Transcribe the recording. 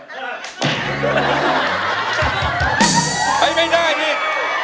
เฮ้ยไม่ได้อีก